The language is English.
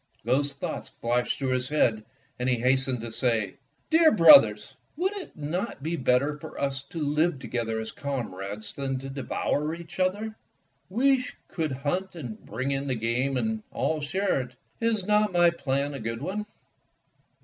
These thoughts flashed through his head, and he hastened to say: "Dear brothers, 126 Fairy Tale Foxes would it not be better for us to live together as comrades than to devour each other? We could hunt and bring in the game and all share it. Is not my plan a good one?"